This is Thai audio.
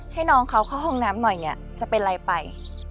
ให้น้องเขาเข้าห้องน้ำหน่อยเนี่ยจะเป็นไรไป